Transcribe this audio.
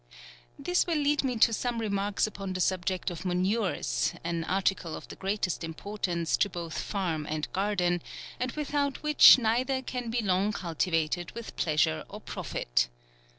This will lead me to some remarks upon the subject of manures, an article of the greatest importance to both farm and garden, and without which neither can be long culti vated with pleasure or profit.